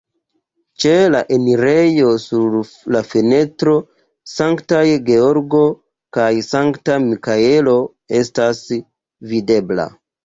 Ĉe la enirejo sur la fenestroj Sankta Georgo kaj Sankta Mikaelo estas videblaj.